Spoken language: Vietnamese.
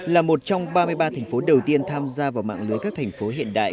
là một trong ba mươi ba thành phố đầu tiên tham gia vào mạng lưới các thành phố hiện đại